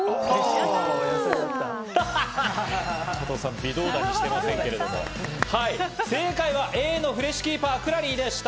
加藤さん、微動だにしてませんけど、正解はＡのフレッシュキーパークラリーでした。